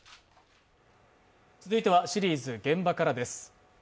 続いてはシリーズ「現場から」です。